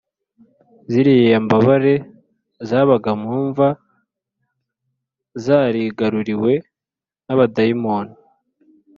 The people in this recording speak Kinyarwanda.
ziriya mbabare zabaga mu mva, zarigaruriwe n’abadayimoni